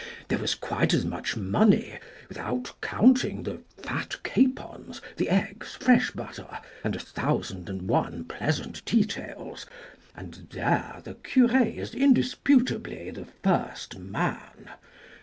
There was quite as much money, without counting the fat capons, the eggs, fresh butter, and a thousand and one pleasant details, and there the cure is indisputably the first man.